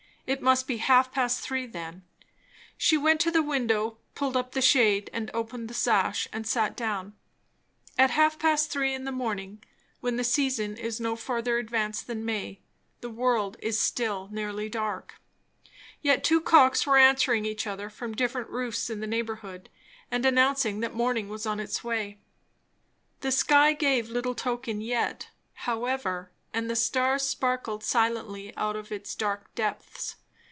It must be half past three then. She went to the window, pulled up the shade and opened the sash and sat down. At half past three in the morning, when the season is no further advanced than May, the world is still nearly dark. Yet two cocks were answering each other from different roosts in the neighbourhood, and announcing that morning was on its way. The sky gave little token yet, however; and the stars sparkled silently out of its dark depths.